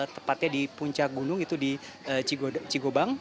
tepatnya di puncak gunung itu di cigobang